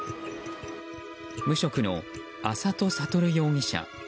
無職の安里悟容疑者。